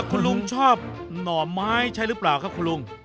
คุณลุงชอบหน่อไม้ใช่หรือเปล่าครับคุณลุง